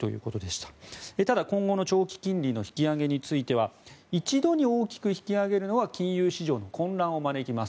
ただ、今後の長期金利の引き上げについては一度に大きく引き上げるのは金融市場の混乱を招きます。